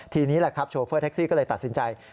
ทีนี้แหละครับโชเฟอร์แท็กซี่ก็เลยตัดสินใจ